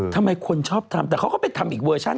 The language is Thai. ทำไมคนชอบทำแต่เขาก็ไปทำอีกเวอร์ชัน